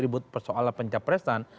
ribut ribut persoalan pencapresan